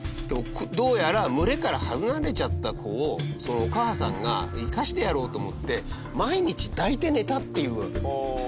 どうやら群れから離れちゃった子をお母さんが生かしてやろうと思って毎日、抱いて寝たっていうわけですよ。